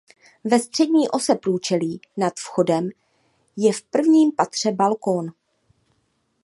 Ve střední ose průčelí nad vchodem je v prvním patře balkon.